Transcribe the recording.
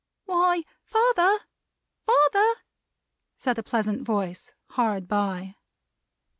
"Why, father, father!" said a pleasant voice, hard by.